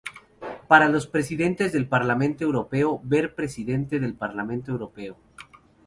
Para los presidentes del Parlamento Europeo, ver Presidente del Parlamento Europeo.